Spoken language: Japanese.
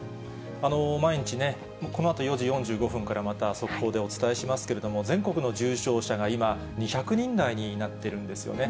毎日ね、このあと４時４５分からまた速報でお伝えしますけれども、全国の重症者が今、２００人台になっているんですよね。